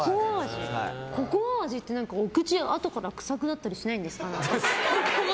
ココア味って、お口、あとから臭くなったりしないんですか。